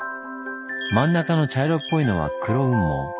真ん中の茶色っぽいのは黒雲母。